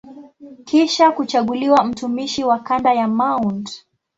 Kisha kuchaguliwa mtumishi wa kanda ya Mt.